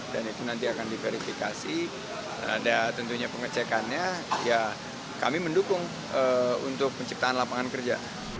dan itu nanti akan diverifikasi dan tentunya pengecekannya ya kami mendukung untuk penciptaan lapangan kerja